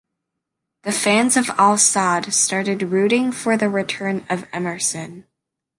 The fans of Al-Sadd started rooting for the return of Emerson.